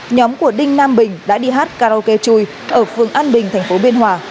nhóm của đinh nam bình đã đi hát karaoke chui ở phường an bình thành phố biên hòa